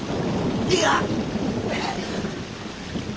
いや。